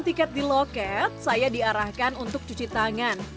jika tidak ada penyelesaian tiket diloket saya diarahkan untuk cuci tangan